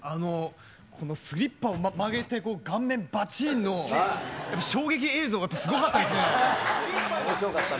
このスリッパを曲げて顔面ばちんの、衝撃映像があって、すごかったですね。